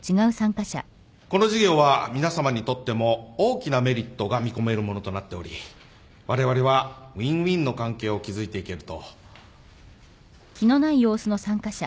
この事業は皆さまにとっても大きなメリットが見込めるものとなっておりわれわれはウィンウィンの関係を築いていけると。